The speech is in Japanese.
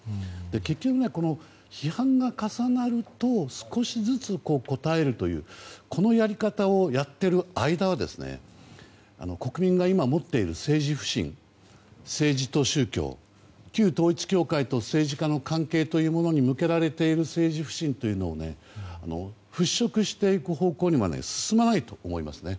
結局、批判が重なると少しずつ答えるというこのやり方をやっている間は国民が今、持っている政治不信政治と宗教旧統一教会と政治家の関係に向けられている政治不信というものを払拭していく方向には進まないと思いますね。